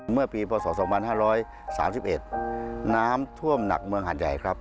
เมื่อปีพศ๒๕๓๑น้ำท่วมหนักเมืองหาดใหญ่ครับ